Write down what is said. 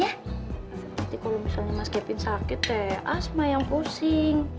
jadi kalau misalnya mas kevin sakit asma yang pusing